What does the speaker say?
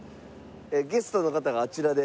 ゲストの方があちらで。